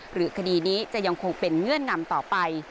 หรือคดีนี้จะยังคงเป็นเงื่อนงำต่อไป